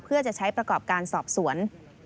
เพื่อจะใช้ประกอบการสอบสวน